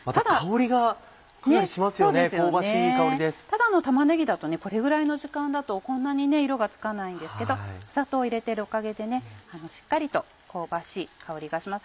ただの玉ねぎだとこれぐらいの時間だとこんなに色がつかないんですけど砂糖入れてるおかげでしっかりと香ばしい香りがします。